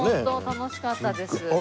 楽しかったです。